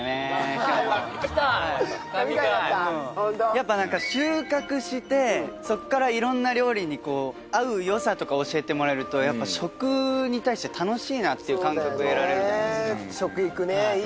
やっぱ収穫してそこから色んな料理に合う良さとか教えてもらえると食に対して楽しいなっていう感覚得られるじゃないですか。